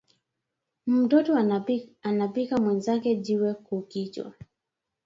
Mtoto anapika mwenzake jiwe ku kichwa